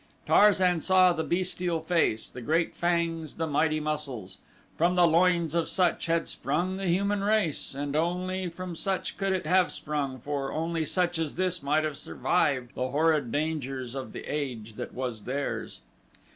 Tarzan saw the bestial face, the great fangs, the mighty muscles. From the loins of such had sprung the human race and only from such could it have sprung, for only such as this might have survived the horrid dangers of the age that was theirs.